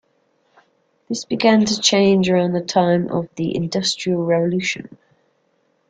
This began to change around the time of the Industrial Revolution.